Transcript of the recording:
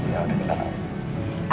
ya udah kita berangkat